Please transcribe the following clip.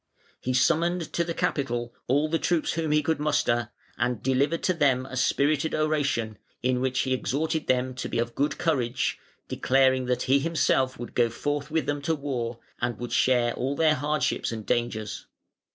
He summoned to the capital all the troops whom he could muster, and delivered to them a spirited oration, in which he exhorted them to be of good courage, declaring that he himself would go forth with them to war, and would share all their hardships and dangers.